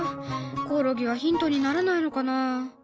コオロギはヒントにならないのかな。